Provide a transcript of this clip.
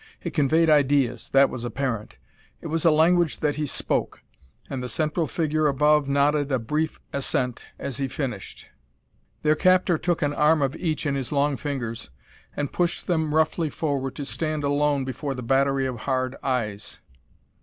It conveyed ideas that was apparent; it was a language that he spoke. And the central figure above nodded a brief assent as he finished. Their captor took an arm of each in his long fingers and pushed them roughly forward to stand alone before the battery of hard eyes.